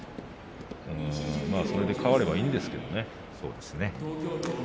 それで変わればいいんですけどね。